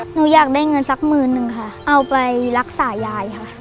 หนูอยากได้เงินสักหมื่นนึงค่ะเอาไปรักษายายค่ะ